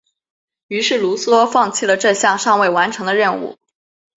于是卢梭放弃了这项尚未完成的任务。